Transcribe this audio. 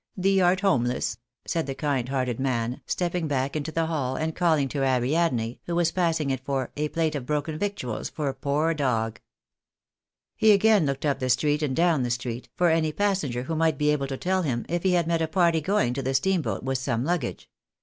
Thee art homeless !" said the kind hearted man, stepping back into the hall, and calling to Ariadne, who was passing it, for " a plate of broken victuals for a poor dog." He again looked up the street and down the street, for any passenger who might be able to tell him if he had met a party going to the steamboat with some luggage.